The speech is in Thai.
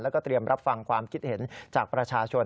แล้วก็เตรียมรับฟังความคิดเห็นจากประชาชน